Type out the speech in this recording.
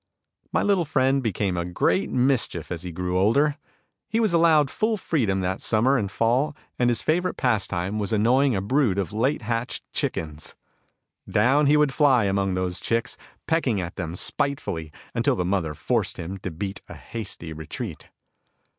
My little friend became a great mischief as he grew older. He was allowed full freedom that summer and fall and his favorite pastime was annoying a brood of late hatched chickens. Down he would fly among those chicks, pecking at them spitefully, until the mother forced him to beat a hasty retreat.